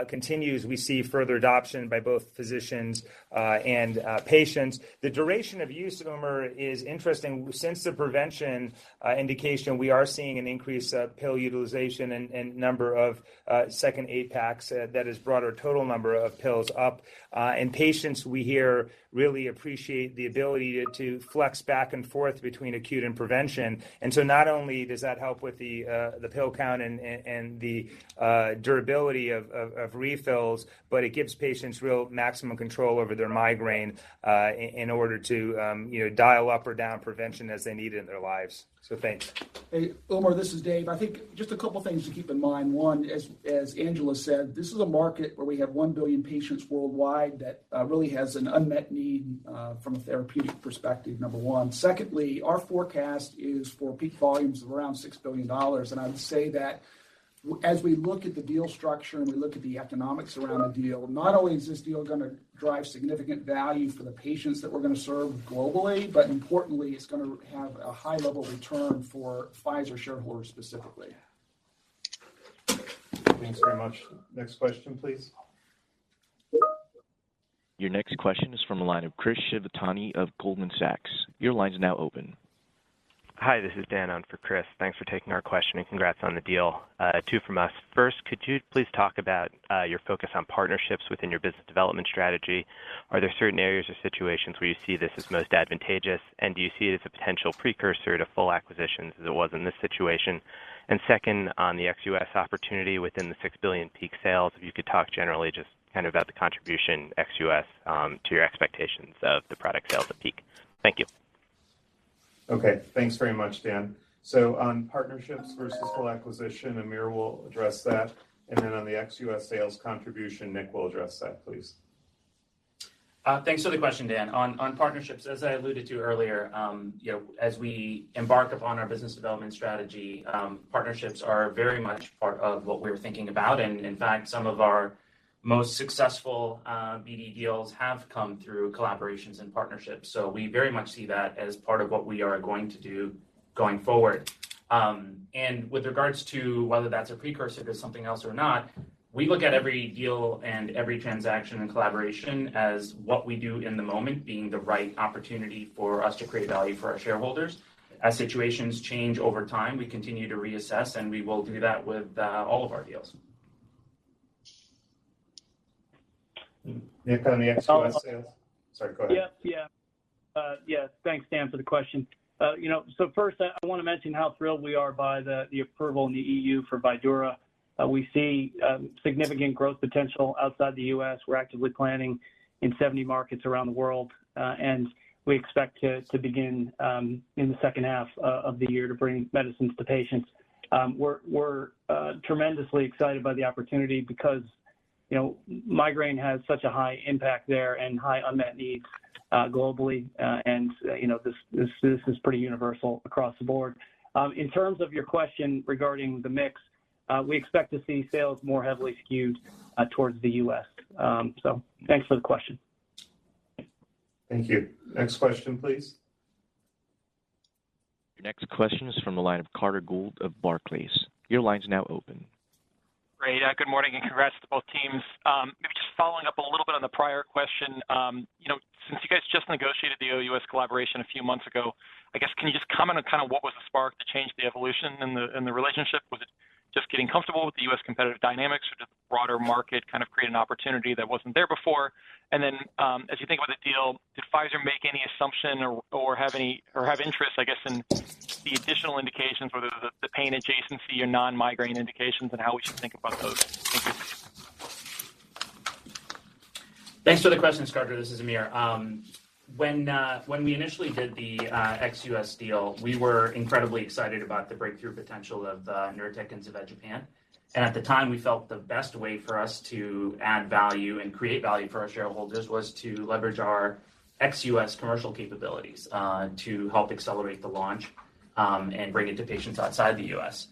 continues, we see further adoption by both physicians and patients. The duration of use, Umer, is interesting. Since the prevention indication, we are seeing an increase of pill utilization and number of second APICs. That has brought our total number of pills up. Patients we hear really appreciate the ability to flex back and forth between acute and prevention. Not only does that help with the pill count and the durability of refills, but it gives patients real maximum control over their migraine in order to, you know, dial up or down prevention as they need it in their lives. Thanks. Hey, Umer, this is Dave. I think just a couple things to keep in mind. One, as Angela said, this is a market where we have 1 billion patients worldwide that really has an unmet need from a therapeutic perspective, number one. Secondly, our forecast is for peak volumes of around $6 billion. I would say that as we look at the deal structure and we look at the economics around the deal, not only is this deal gonna drive significant value for the patients that we're gonna serve globally, but importantly, it's gonna have a high level return for Pfizer shareholders specifically. Thanks very much. Next question, please. Your next question is from the line of Chris Shibutani of Goldman Sachs. Your line is now open. Hi, this is Dan on for Chris. Thanks for taking our question, and congrats on the deal. Two from us. First, could you please talk about your focus on partnerships within your business development strategy? Are there certain areas or situations where you see this as most advantageous, and do you see it as a potential precursor to full acquisitions as it was in this situation? Second, on the ex-U.S. opportunity within the $6 billion peak sales, if you could talk generally just kind of about the contribution ex-U.S. to your expectations of the product sales at peak. Thank you. Okay. Thanks very much, Dan. On partnerships versus full acquisition, Aamir will address that. On the ex-U.S. sales contribution, Nick will address that, please. Thanks for the question, Dan. On partnerships, as I alluded to earlier, you know, as we embark upon our business development strategy, partnerships are very much part of what we're thinking about. In fact, some of our most successful BD deals have come through collaborations and partnerships. We very much see that as part of what we are going to do going forward. With regards to whether that's a precursor to something else or not, we look at every deal and every transaction and collaboration as what we do in the moment being the right opportunity for us to create value for our shareholders. As situations change over time, we continue to reassess, and we will do that with all of our deals. Nick, on the ex-U.S. sales. Sorry, go ahead. Yes. Thanks, Dan, for the question. You know, first, I wanna mention how thrilled we are by the approval in the EU for Vydura. We see significant growth potential outside the US. We're actively planning in 70 markets around the world, and we expect to begin in the second half of the year to bring medicines to patients. We're tremendously excited by the opportunity because, you know, migraine has such a high impact there and high unmet needs globally. You know, this is pretty universal across the board. In terms of your question regarding the mix, we expect to see sales more heavily skewed towards the US. Thanks for the question. Thank you. Next question, please. Your next question is from the line of Carter Gould of Barclays. Your line's now open. Great. Good morning and congrats to both teams. Following up a little bit on the prior question, you know, since you guys just negotiated the OUS collaboration a few months ago, I guess, can you just comment on kind of what was the spark to change the evolution in the relationship? Was it just getting comfortable with the U.S. competitive dynamics, or did the broader market kind of create an opportunity that wasn't there before? As you think about the deal, did Pfizer make any assumption or have any interest, I guess, in the additional indications, whether the pain adjacency or non-migraine indications and how we should think about those? Thank you. Thanks for the question, Carter. This is Amir. When we initially did the ex-US deal, we were incredibly excited about the breakthrough potential of the Nurtec in Japan. At the time, we felt the best way for us to add value and create value for our shareholders was to leverage our ex-US commercial capabilities to help accelerate the launch and bring it to patients outside the US.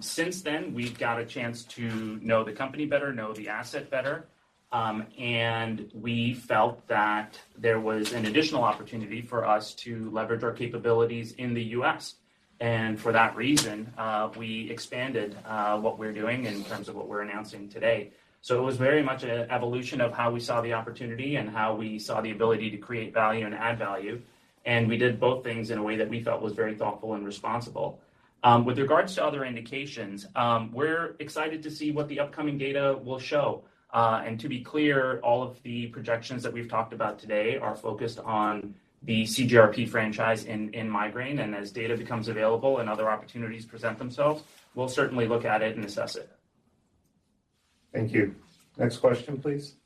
Since then, we've got a chance to know the company better, know the asset better, and we felt that there was an additional opportunity for us to leverage our capabilities in the US. For that reason, we expanded what we're doing in terms of what we're announcing today. It was very much an evolution of how we saw the opportunity and how we saw the ability to create value and add value. We did both things in a way that we felt was very thoughtful and responsible. With regards to other indications, we're excited to see what the upcoming data will show. To be clear, all of the projections that we've talked about today are focused on the CGRP franchise in migraine. As data becomes available and other opportunities present themselves, we'll certainly look at it and assess it. Thank you. Next question, please.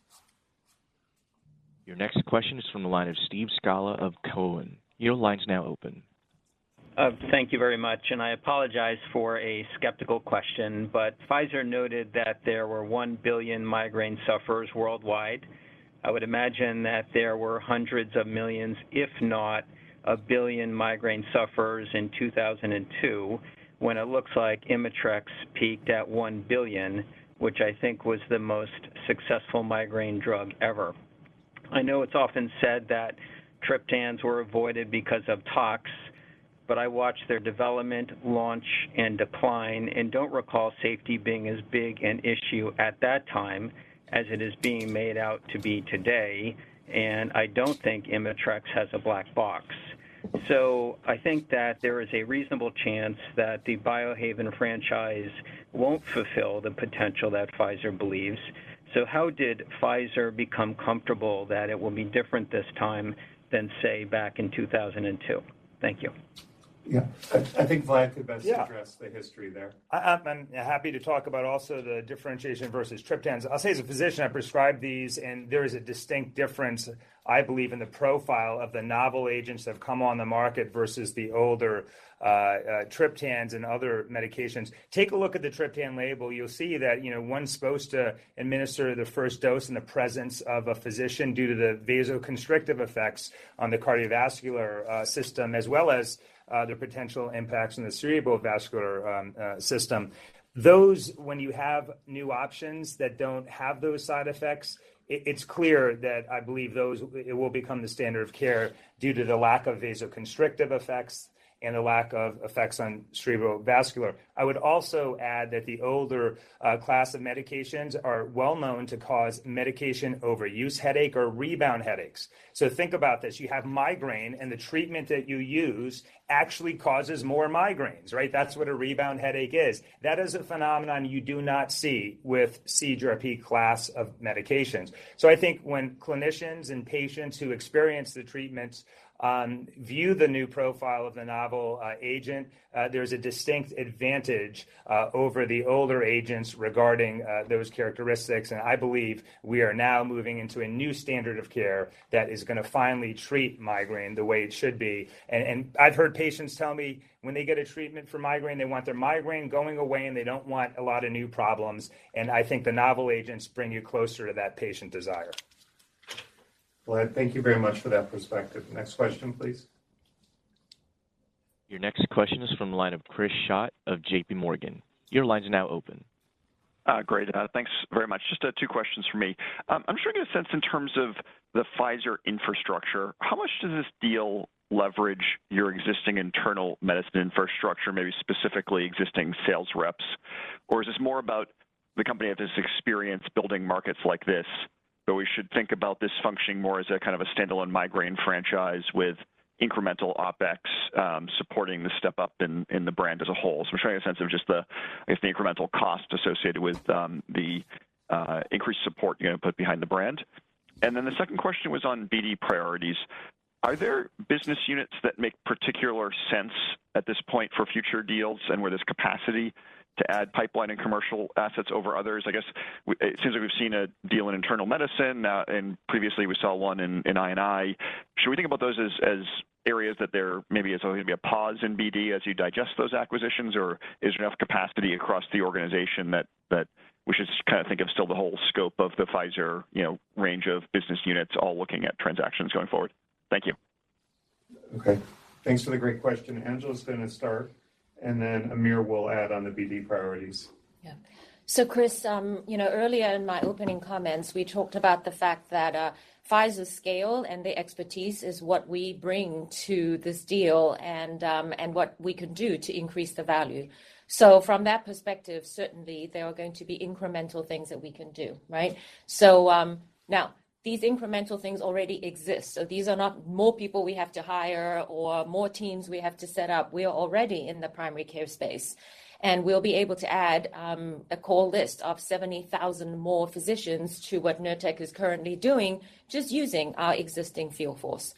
Your next question is from the line of Steve Scala of Cowen. Your line is now open. Thank you very much. I apologize for a skeptical question, but Pfizer noted that there were 1 billion migraine sufferers worldwide. I would imagine that there were hundreds of millions, if not 1 billion migraine sufferers in 2002, when it looks like Imitrex peaked at $1 billion, which I think was the most successful migraine drug ever. I know it's often said that triptans were avoided because of tox, but I watched their development, launch, and decline, and don't recall safety being as big an issue at that time as it is being made out to be today. I don't think Imitrex has a black box. I think that there is a reasonable chance that the Biohaven franchise won't fulfill the potential that Pfizer believes. How did Pfizer become comfortable that it will be different this time than, say, back in 2002? Thank you. Yeah. I think Vlad could best address the history there. I'm happy to talk about also the differentiation versus triptans. I'll say as a physician, I prescribe these, and there is a distinct difference, I believe, in the profile of the novel agents that have come on the market versus the older, triptans and other medications. Take a look at the triptan label. You'll see that, you know, one's supposed to administer the first dose in the presence of a physician due to the vasoconstrictive effects on the cardiovascular, system, as well as, the potential impacts in the cerebral vascular, system. Those when you have new options that don't have those side effects, it's clear that I believe those will become the standard of care due to the lack of vasoconstrictive effects and the lack of effects on cerebral vascular. I would also add that the older class of medications are well known to cause medication overuse headache or rebound headaches. Think about this. You have migraine, and the treatment that you use actually causes more migraines, right? That's what a rebound headache is. That is a phenomenon you do not see with CGRP class of medications. I think when clinicians and patients who experience the treatments view the new profile of the novel agent, there's a distinct advantage over the older agents regarding those characteristics. I believe we are now moving into a new standard of care that is gonna finally treat migraine the way it should be. I've heard patients tell me when they get a treatment for migraine, they want their migraine going away, and they don't want a lot of new problems. I think the novel agents bring you closer to that patient desire. Vlad, thank you very much for that perspective. Next question, please. Your next question is from the line of Chris Schott of J.P. Morgan. Your line is now open. Great. Thanks very much. Just two questions from me. I'm sure you have a sense in terms of the Pfizer infrastructure. How much does this deal leverage your existing internal medicine infrastructure, maybe specifically existing sales reps? Or is this more about the company that has experience building markets like this, but we should think about this functioning more as a kind of a standalone migraine franchise with incremental OpEx supporting the step-up in the brand as a whole. So I'm just trying to get a sense of the, I guess, incremental cost associated with the increased support you're gonna put behind the brand. Then the second question was on BD priorities. Are there business units that make particular sense at this point for future deals and where there's capacity to add pipeline and commercial assets over others? I guess it seems like we've seen a deal in internal medicine. Previously we saw one in I&I. Should we think about those as areas that there maybe is going to be a pause in BD as you digest those acquisitions? Is there enough capacity across the organization that we should kind of think of still the whole scope of the Pfizer, you know, range of business units all looking at transactions going forward? Thank you. Okay. Thanks for the great question. Angela is going to start, and then Aamir will add on the BD priorities. Yeah. Chris, you know, earlier in my opening comments, we talked about the fact that Pfizer's scale and the expertise is what we bring to this deal and what we can do to increase the value. From that perspective, certainly, there are going to be incremental things that we can do, right? Now these incremental things already exist. These are not more people we have to hire or more teams we have to set up. We are already in the primary care space, and we'll be able to add a call list of 70,000 more physicians to what Nurtec is currently doing, just using our existing field force.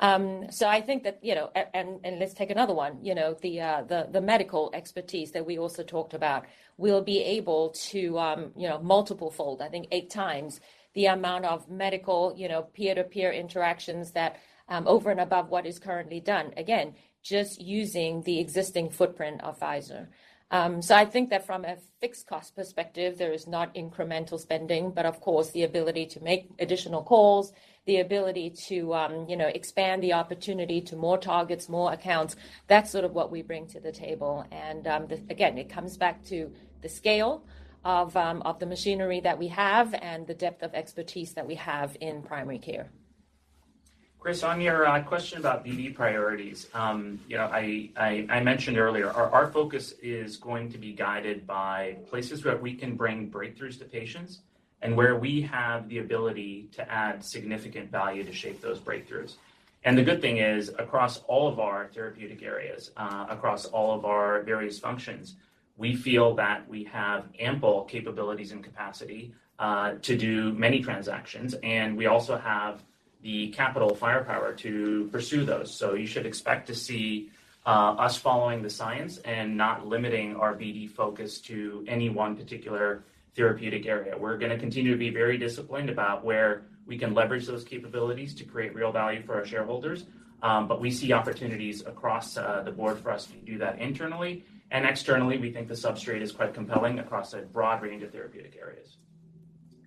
I think that, you know, and let's take another one, you know, the medical expertise that we also talked about. We'll be able to, you know, multiple-fold, I think 8 times the amount of medical, you know, peer-to-peer interactions that, over and above what is currently done. Again, just using the existing footprint of Pfizer. I think that from a fixed cost perspective, there is not incremental spending, but of course, the ability to make additional calls, the ability to, you know, expand the opportunity to more targets, more accounts. That's sort of what we bring to the table. Again, it comes back to the scale of the machinery that we have and the depth of expertise that we have in primary care. Chris, on your question about BD priorities, you know, I mentioned earlier our focus is going to be guided by places where we can bring breakthroughs to patients and where we have the ability to add significant value to shape those breakthroughs. The good thing is, across all of our therapeutic areas, across all of our various functions, we feel that we have ample capabilities and capacity to do many transactions, and we also have the capital firepower to pursue those. You should expect to see us following the science and not limiting our BD focus to any one particular therapeutic area. We're gonna continue to be very disciplined about where we can leverage those capabilities to create real value for our shareholders, but we see opportunities across the board for us to do that internally and externally. We think the substrate is quite compelling across a broad range of therapeutic areas.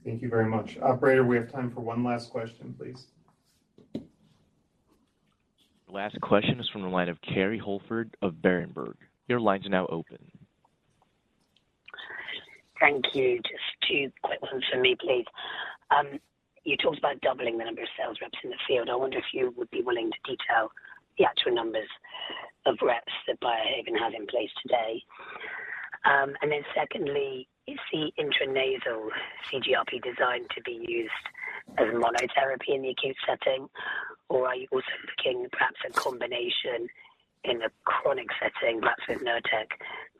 Thank you very much. Operator, we have time for one last question, please. Last question is from the line of Kerry Holford of Berenberg. Your line is now open. Thank you. Just two quick ones from me, please. You talked about doubling the number of sales reps in the field. I wonder if you would be willing to detail the actual numbers of reps that Biohaven have in place today. Secondly, is the intranasal CGRP designed to be used as monotherapy in the acute setting, or are you also looking perhaps a combination in the chronic setting, perhaps with Nurtec,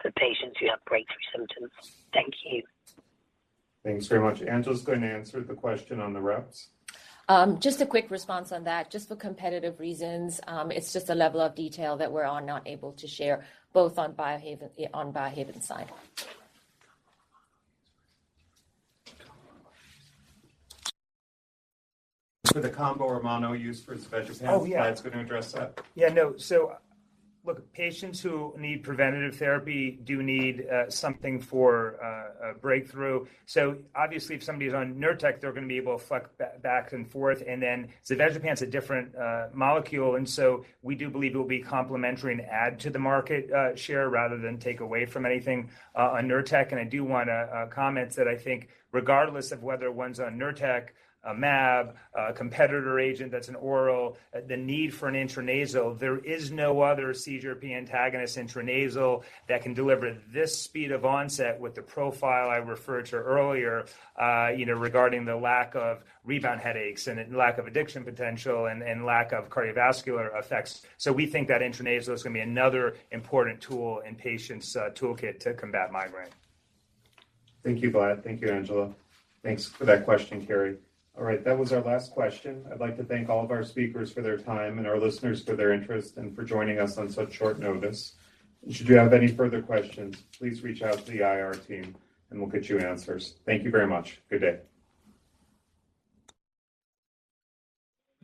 for patients who have breakthrough symptoms? Thank you. Thanks very much. Angela is going to answer the question on the reps. Just a quick response on that. Just for competitive reasons, it's just a level of detail that we are not able to share both on Biohaven side. For the combo or mono use for Zavegepant. Oh, yeah. Vlad's going to address that. Yeah, no. Look, patients who need preventive therapy do need something for a breakthrough. Obviously if somebody's on Nurtec, they're going to be able to flick back and forth, and then zavegepant's a different molecule. We do believe it'll be complementary and add to the market share rather than take away from anything on Nurtec. I do wanna comment that I think regardless of whether one's on Nurtec, a mAb, a competitor agent that's an oral, the need for an intranasal. There is no other CGRP antagonist intranasal that can deliver this speed of onset with the profile I referred to earlier, you know, regarding the lack of rebound headaches and lack of addiction potential and lack of cardiovascular effects. We think that intranasal is gonna be another important tool in patients' toolkit to combat migraine. Thank you, Vlad. Thank you, Angela. Thanks for that question, Kerry. All right. That was our last question. I'd like to thank all of our speakers for their time and our listeners for their interest and for joining us on such short notice. Should you have any further questions, please reach out to the IR team and we'll get you answers. Thank you very much. Good day.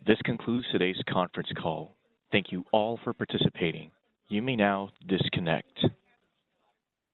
This concludes today's conference call. Thank you all for participating. You may now disconnect.